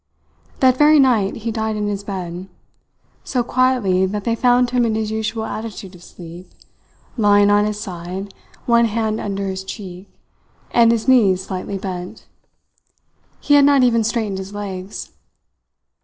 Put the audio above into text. That very night he died in his bed, so quietly that they found him in his usual attitude of sleep, lying on his side, one hand under his cheek, and his knees slightly bent. He had not even straightened his legs.